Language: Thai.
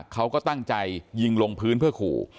เขาก็ตั้งใจยิงลงพื้นเพื่อขู่